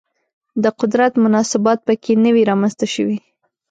د قدرت مناسبات په کې نه وي رامنځته شوي